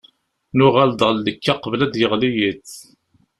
Nuɣal-d ɣer llekka qbel ad d-yeɣli yiḍ.